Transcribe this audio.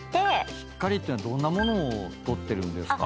しっかりっていうのはどんなものを取ってるんですか？